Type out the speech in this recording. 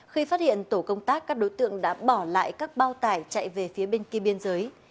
khi phát hiện tổ công tác các đối tượng đã bỏ lại các bao tải chạy về phía bên kia biên giới